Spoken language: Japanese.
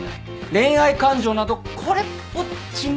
恋愛感情などこれっぽっちもないと？